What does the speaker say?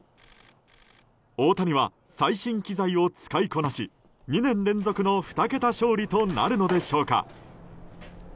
大谷は最新機材を使いこなし２年連続の２桁勝利となるのでしょうか。